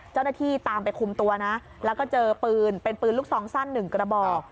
เจ้าหน้าที่ตามไปคุมตัวนะแล้วก็เจอปืนเป็นปืนลูกซองสั้นหนึ่งกระบอก